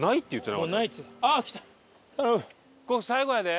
ここ最後やで。